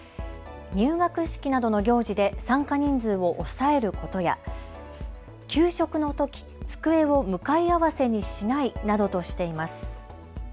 入学式などの行事で参加人数を抑えることや給食のとき、机を向かい合わせにしないなどとしています。